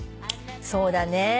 そうだね。